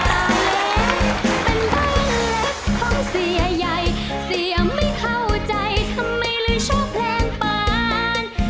ตายแล้วเป็นบ้านเล็กของเสียใหญ่เสียไม่เข้าใจทำไมเลยชอบเพลงปาน